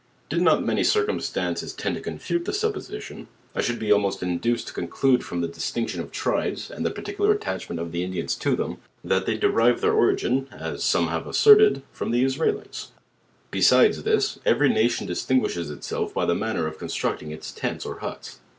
Did not many circumstances tend to confute the supposi tion, I should be almost induced to conclude from this dis tinction of tribes, and the particular attachment of the In dians to them, that they de.i.e their origin, as some have as serted, from the Israelites. Besides this, every nation distinguishes itself by the man ner of constructing its tents or huts.